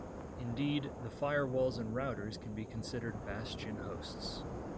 Indeed, the firewalls and routers can be considered bastion hosts.